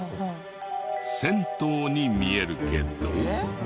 銭湯に見えるけど。